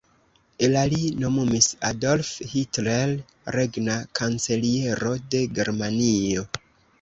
La li nomumis Adolf Hitler regna kanceliero de Germanio.